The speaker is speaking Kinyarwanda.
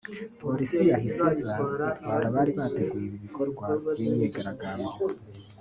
polisi yahise iza itwara abari bateguye ibi bikorwa by’imyigaragambyo